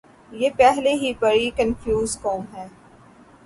یہ پہلے ہی بڑی کنفیوز قوم ہے۔